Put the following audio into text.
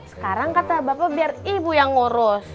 sekarang kata bapak biar ibu yang ngurus